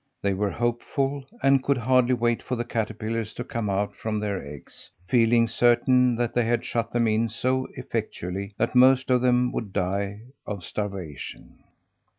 They were hopeful, and could hardly wait for the caterpillars to come out from their eggs, feeling certain that they had shut them in so effectually that most of them would die of starvation.